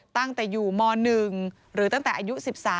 ตั้งแต่อยู่ม๑หรือตั้งแต่อายุ๑๓